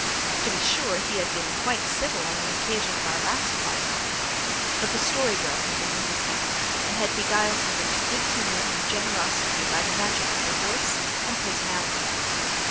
To be sure, he had been quite civil on the occasion of our last call upon him, but the Story Girl had been with us then and had beguiled him into good humour and generosity by the magic of her voice and personality.